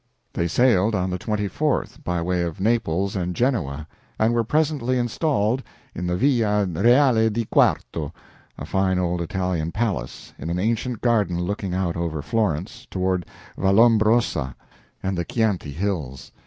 '" They sailed on the 24th, by way of Naples and Genoa, and were presently installed in the Villa Reale di Quarto, a fine old Italian palace, in an ancient garden looking out over Florence toward Vallombrosa and the Chianti hills.